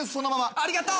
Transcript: ありがとう！